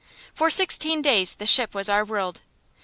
For sixteen days the ship was our world.